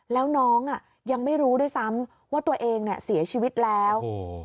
แล้วน้องอ่ะยังไม่รู้ด้วยซ้ำว่าตัวเองเนี่ยเสียชีวิตแล้ว